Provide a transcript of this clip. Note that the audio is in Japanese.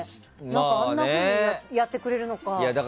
あんなふうにやってくるのか。